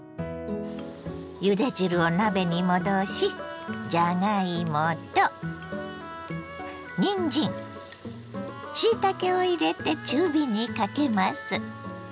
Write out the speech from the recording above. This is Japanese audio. ゆで汁を鍋に戻しじゃがいもとにんじんしいたけを入れて中火にかけます。